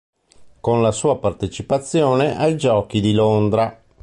Con la sua partecipazione ai Giochi di Londra.